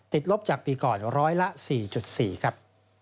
ติดลบจากปีก่อน๑๐๐ละ๔๔ครับ